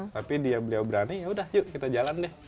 tapi dia beliau berani yaudah yuk kita jalan deh